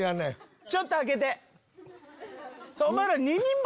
ちょっと開けて。